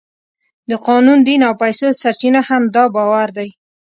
د قانون، دین او پیسو سرچینه هم دا باور دی.